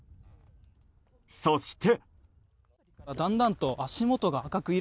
そして。